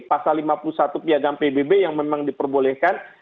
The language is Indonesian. pasal lima puluh satu piagam pbb yang memang diperbolehkan